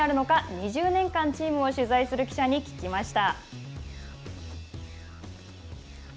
２０年間チームを取材する記者に聞きました。